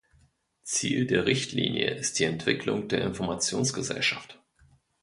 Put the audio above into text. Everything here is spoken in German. Ziel der Richtlinie ist die Entwicklung der Informationsgesellschaft.